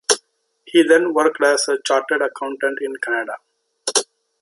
He then worked as a chartered accountant in Canada.